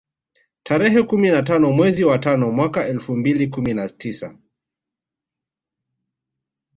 Tarehe kumi na tano mwezi wa tano mwaka elfu mbili kumi na tisa